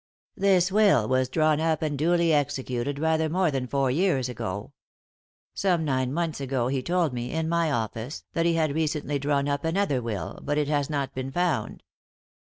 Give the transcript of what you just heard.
" This will was drawn up and duly executed rather more than four years ago. Some nine months ago he told me, in my office, that he had recently drawn up another will, but it has not been found.